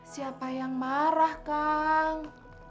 siapa yang marah kang